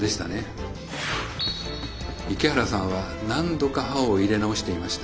池原さんは何度か刃を入れ直していました。